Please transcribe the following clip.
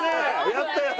やったね！